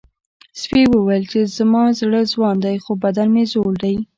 سپي وویل چې زما زړه ځوان دی خو بدن مې زوړ دی.